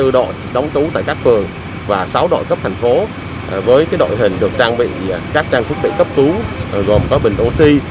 ba mươi bốn đội đóng tú tại các vườn và sáu đội cấp thành phố với đội hình được trang bị các trang phức bị cấp tú gồm có bình oxy